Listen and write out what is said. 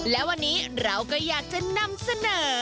และวันนี้เราก็อยากจะนำเสนอ